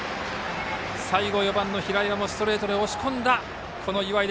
最後４番の平岩もストレートで押し込んだ岩井。